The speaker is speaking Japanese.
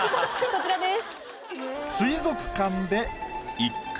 こちらです。